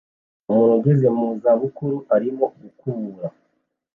Umuntu ugeze mu za bukuru arimo gukubura